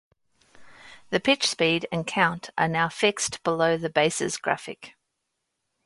The pitch speed and count are now fixed below the bases graphic.